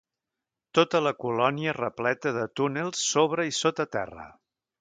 Tota la colònia és repleta de túnels sobre i sota terra.